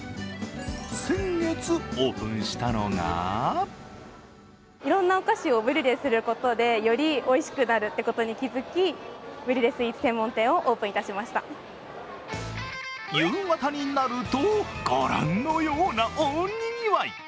先月、オープンしたのが夕方になると、ご覧のような大にぎわい。